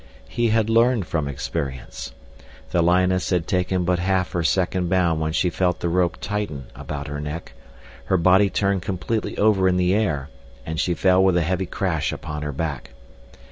He had learned from experience. The lioness had taken but half her second bound when she felt the rope tighten about her neck; her body turned completely over in the air and she fell with a heavy crash upon her back.